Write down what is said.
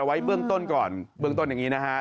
ไว้เบื้องต้นก่อนเบื้องต้นอย่างนี้นะฮะ